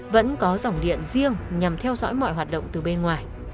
đối tượng điện riêng nhằm theo dõi mọi hoạt động từ bên ngoài